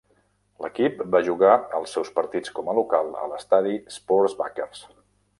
L'equip va jugar els seus partits com a local a l'estadi Sports Backers.